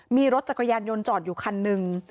มีรถจักรยานยนต์จอดอยู่คันหนึ่ง